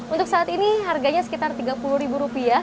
untuk saat ini harganya sekitar rp tiga puluh